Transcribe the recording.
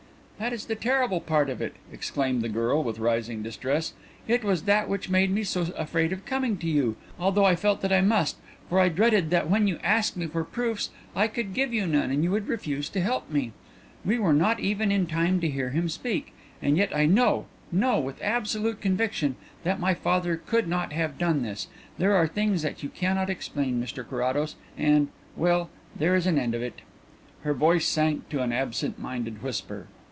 "That is the terrible part of it," exclaimed the girl, with rising distress. "It was that which made me so afraid of coming to you, although I felt that I must, for I dreaded that when you asked me for proofs and I could give you none you would refuse to help me. We were not even in time to hear him speak, and yet I know, know with absolute conviction, that my father would not have done this. There are things that you cannot explain, Mr Carrados, and well, there is an end of it." Her voice sank to an absent minded whisper.